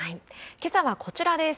けさはこちらです。